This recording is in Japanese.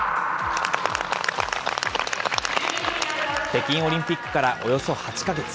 北京オリンピックからおよそ８か月。